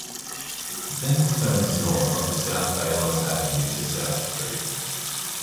It then turns north onto South Bayles Avenue to South Street.